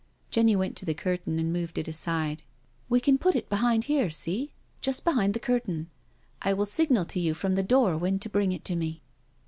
Jenny went to the curtain and moved it aside. " We can put it behind here, see? Just behind the curtain. I will signal to you from the door when to bring it to me."